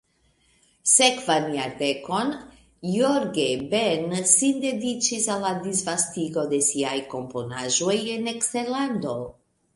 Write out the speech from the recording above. Sekvan jardekon Jorge Ben sin dediĉis al la disvastigo de siaj komponaĵoj en eksterlando.